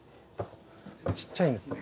ちっちゃいんですね。